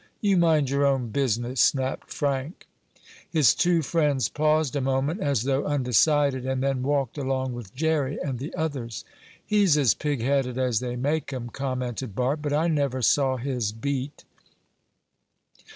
"You mind your own business!" snapped Frank. His two friends paused a moment, as though undecided, and then walked along with Jerry and the others. "He's as pig headed as they make 'em," commented Bart. "I never saw his beat!"